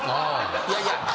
いやいや。